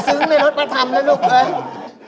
ซึ้งในรถมาทำนะลูกเอ๋ย